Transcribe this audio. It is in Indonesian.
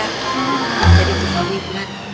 lo jadi tuhan bikmat